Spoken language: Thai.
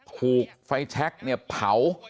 ถูกไฟแชคเนี่ยเผา